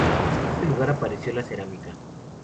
Este lugar apareció la cerámica.